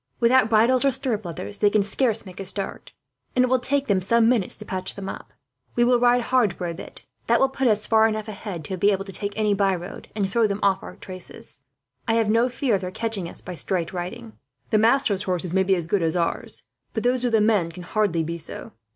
"Without bridles or stirrup leathers, they can scarce make a start; and it will take them some minutes to patch them up. We will ride hard for a bit. That will put us far enough ahead to be able to take any byroad, and throw them off our traces. I have no fear of their catching us by straight riding. The masters' horses may be as good as ours, but those of the men can hardly be so.